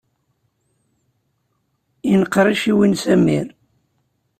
Yenqer yiciwi n Samir.